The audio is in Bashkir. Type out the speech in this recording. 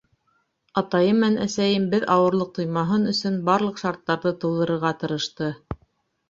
Атайым менән әсәйем беҙ ауырлыҡ тоймаһын өсөн барлыҡ шарттарҙы тыуҙырырға тырышты.